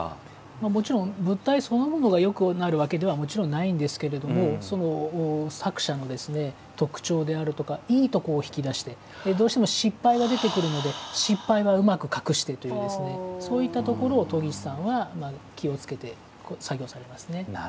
もちろん、物体そのものがよくなるわけではないんですが作者の特徴だとかいいところを引き出して失敗は出てくるので失敗はうまく隠してそういったところを研ぎ師さんは気をつけて作業されますね。